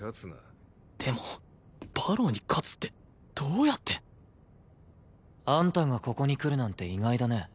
でも馬狼に勝つってどうやって？あんたがここに来るなんて意外だね。